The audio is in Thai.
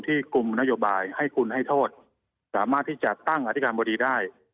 กลุ่มนโยบายให้คุณให้โทษสามารถที่จะตั้งอธิการบดีได้